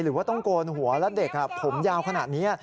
หรือว่าต้องโกนหัวแล้วเด็กผมยาวขนาดนี้